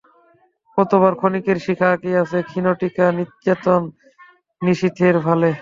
কতবার ক্ষণিকের শিখা আঁকিয়াছে ক্ষীণ টিকা নিশ্চেতন নিশীথের ভালে।